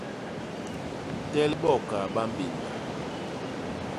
Tel bo kaa ba mbénna.